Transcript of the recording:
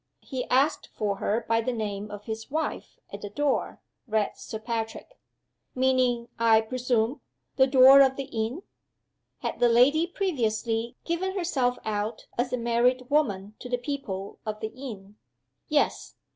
"'He asked for her by the name of his wife, at the door,'" read Sir Patrick. "Meaning, I presume, the door of the inn? Had the lady previously given herself out as a married woman to the people of the inn?" "Yes."